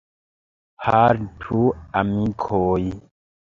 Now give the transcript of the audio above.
Haltu, amikoj!